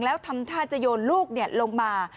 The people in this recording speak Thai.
แล้วทำท่าจะโยนลูกลงมา